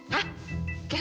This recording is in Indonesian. hah gak ada lah